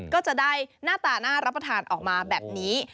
ก็จะได้หน้าตาน่ารับประทานออกมาแบบนี้